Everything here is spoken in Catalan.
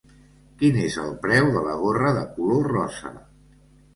Quin és el preu de la gorra de color rosa?